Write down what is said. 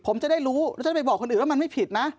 ผมจะได้รู้แล้วฉันไปบอกคนอื่นว่ามันไม่ผิดนะ